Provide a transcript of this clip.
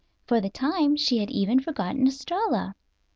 For the time she had even forgotten Estralla.